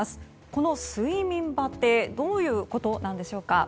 この睡眠バテどういうことなんでしょうか。